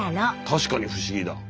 確かに不思議だ。